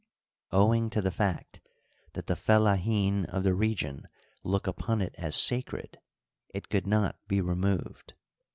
Owing to the fact that the Fellahin of the region look upon it as sacred, it could not be removed.